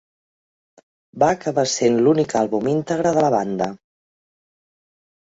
Va acabar sent l'únic àlbum íntegre de la banda.